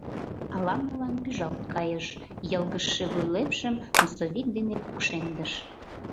Ала-молан пӱжалт кайыш, йылгыжше вуйлепшым носовик дене кукшемдыш.